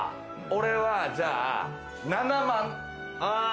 俺は、じゃあ７万。